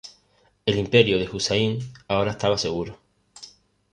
El imperio de Husayn ahora estaba seguro.